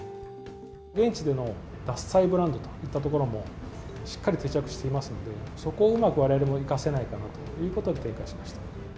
現地での獺祭ブランドといったところも、しっかり定着していますので、そこをうまく、われわれも生かせないかなということで展開しました。